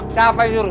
siapa yang disuruh